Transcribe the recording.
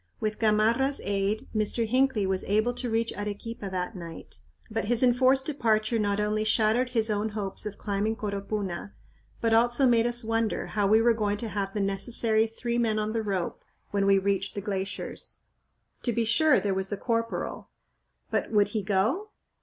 With Gamarra's aid, Mr. Hinckley was able to reach Arequipa that night, but his enforced departure not only shattered his own hopes of climbing Coropuna, but also made us wonder how we were going to have the necessary three men on the rope when we reached the glaciers. To be sure, there was the corporal but would he go?